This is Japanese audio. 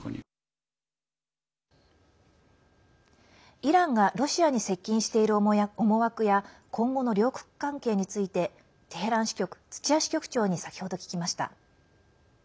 イランがロシアに接近している思惑や今後の両国関係についてテヘラン支局、土屋支局長に先ほど聞きました。